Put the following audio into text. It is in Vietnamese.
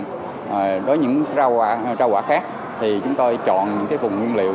đối với những rau quả khác thì chúng tôi chọn những vùng nguyên liệu